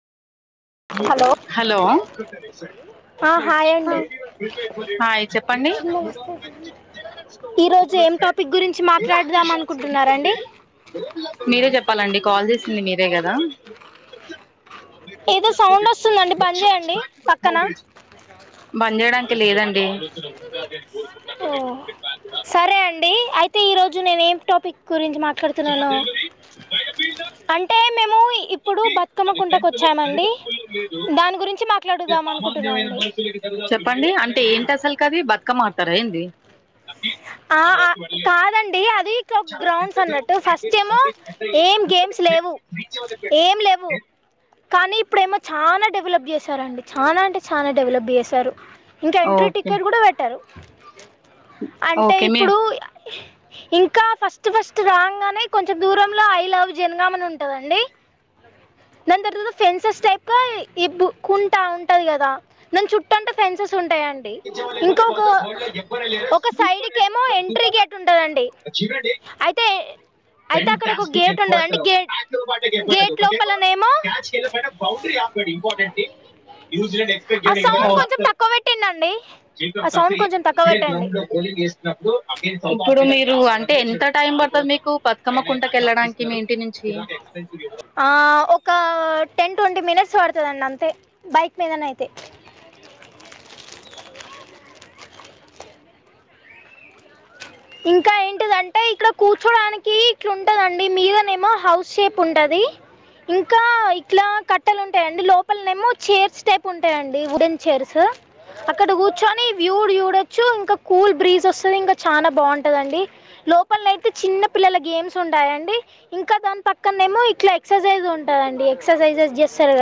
hello ఆ hi అండి చెప్పండి ఈ రోజు ఏం టాపిక్ గురించి మాట్లాడదాం అనుకుంటున్నారండి మీరే చెప్పాలండి కాల్ చేసింది మీరే కదా ఏదో సౌండ్ వస్తుందండి పని చేయండి పక్కన బంద్ చేయడానికి లేదండి ఓ సరే అండి అయితే ఈరోజు నేనే ఏం టాపిక్ గురించి మాట్లాడుతున్నాను అంటే మేముప్పు లేదు దాని గురించి మాట్లాడుదాం సామాన్ైన అనుకుంటున్నానండి చెప్పండి అంటే ఏంటి అసలు కది బతుక అక్క మతారా ఏంది ఆ కాదండి అది గ్రౌండ్స్ అన్నట్టు ఫస్ట్ ఏమో ఏం గేమ్స్ లేవు ఏం లేవు కానీ ఇప్పుడేమో చాలా డెవలప్ చేశారుడి చాలా అంటే చాలా డెవలప్ చేశారు ఇంకా ఎంట్రీ ఓకే టిక్కెట్ కూడా పెట్టారు అంటే ఓకే మీ ఇప్పుడు ఇంకా ఫస్ట్ ఫస్ట్ రాంగ్ నే కొంచెం దూరంలో ఐ లవ్ జనగామని ఉంటదండి దాని తర్తత ఫెన్సెస్ టైప్ కుంటా ఉంటది కదా న చుట్ట అంటే ఫెన్సెస్ ఉంటాయంండి ఇంకక ఒక సైడ్ చూడండి అయితే అయితే అక్కడ ఒక ఫటి గేట్ ఎర్ట్ ఉండదండి లో గేట్ ఎఫర్ట్ అ గేట్ ఒక ఏమో లోపలనేమో క్యాచ్యి బౌండరీ ఆం ఇంపార్టెంట్ ఎ ఆ సౌండ్ కొంచెం తక్కువ పెట్టండి అండి ఆ సౌండ్ కొంచెం తక్కువ పెట్టండి ఇప్పుడు మీరు అంటే ఎంత టైం పడుతది మీకు బతుకమ్మ కుంటకి వెళ్ళడానికి మీ ఇంటి నుంచి ఆ ఒ క్క టెన్ ట్వంటీ మినిట్స్ పడతదండి అంతే బైక్ మీదన అయితే ఇంకా ఏంటిదంటే ఇక్కడ కూర్చోడానికి ఇట్లా ఉంటదండి మీదనేమో హౌస్ షేప్ ఉంటది ఇంకా ఇట్లా కట్టలు ఉంటాయండి లోపలనేమో చేర్స్ టైప్ ఉంటాయండి వుడెన్ చేర్సు అక్కడ కూర్చొని వ్యూడ్ చూడొచ్చు ఇంకా కూల్ బ్రీజ్ వస్తది ఇంకా చానా బాంటదండి లోపల్నయితే చిన్న పిల్లల గేమ్స్ ఉంటాయండి ఇంకా దాని పక్కన్నేమో ఇట్లా ఎక్సర్సైజ్ ఉంటదండి ఎక్సర్సైజె చేస్తారు గ